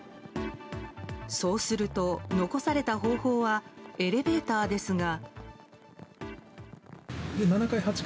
そうすると、残された方法はエレベーターですが。